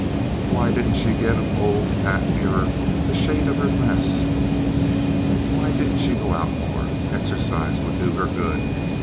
Why didn't she get a mauve hat nearer the shade of her dress? Why didn't she go out more? Exercise would do her good.